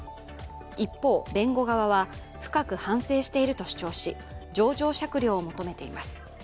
一方、弁護側は、深く反省していると主張し情状酌量を求めています。